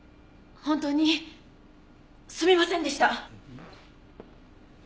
本当にすみませんでした。